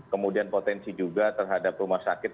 kemudian potensi juga terhadap rumah sakit